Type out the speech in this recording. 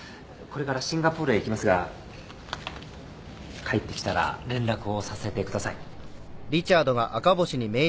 これからシンガポールへ行きますが帰ってきたら連絡をさせてください